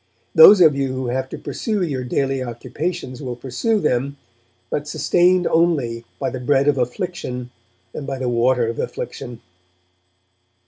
'Those of you who have to pursue your daily occupations will pursue them, but sustained only by the bread of affliction and by the water of affliction.'